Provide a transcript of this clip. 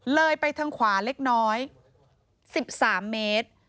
เลยไปทางขวาเล็กน้อย๑๓เมตร